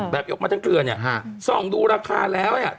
ออกมาทั้งเกลือเนี่ยส่องดูราคาแล้วเนี่ย